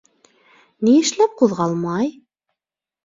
Ни эшләп ҡуҙғалмай?